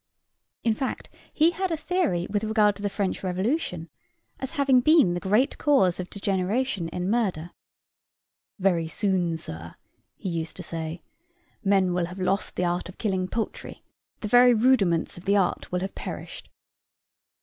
In fact, he had a theory with regard to the French Revolution, as having been the great cause of degeneration in murder. "Very soon, sir," he used to say, "men will have lost the art of killing poultry: the very rudiments of the art will have perished!"